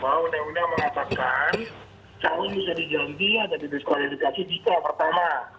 bahwa undang undang mengatakan calon bisa diganti atau diberi skor dedikasi jika pertama